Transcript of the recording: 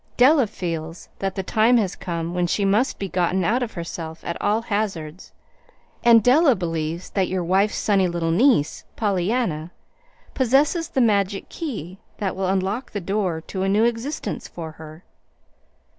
Della feels that the time has come when she must be gotten out of herself, at all hazards; and Della believes that your wife's sunny little niece, Pollyanna, possesses the magic key that will unlock the door to a new existence for her.